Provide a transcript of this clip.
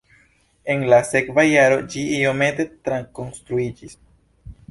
En la sekva jaro ĝi iomete trakonstruiĝis.